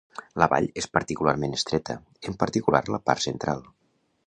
La vall és particularment estreta, en particular a la part central.